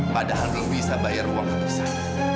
padahal belum bisa bayar uang ratusan